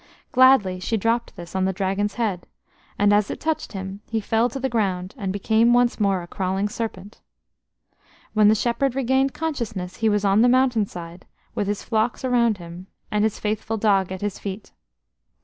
Gladly she dropped this on the Dragon's head, and as it touched him he fell to the ground and became once more a crawling serpent. When the shepherd regained consciousness, he was on the mountain side, with his flocks around him, and his faithful dog at his feet.